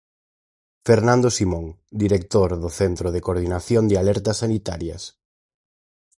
Fernando Simón, director do Centro de Coordinación de Alertas Sanitarias: